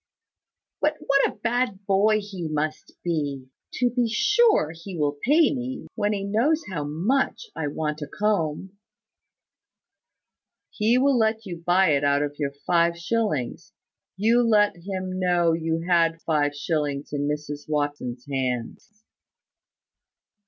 "But what a bad boy he must be! To be sure, he will pay me, when he knows how much I want a comb." "He will tell you to buy it out of your five shillings. You let him know you had five shillings in Mrs Watson's hands."